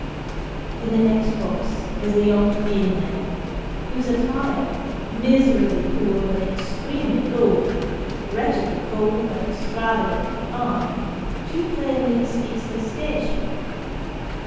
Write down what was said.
In the next box, is a young female, whose attire, miserably poor, but extremely gaudy, wretchedly cold but extravagantly fine, too plainly bespeaks her station.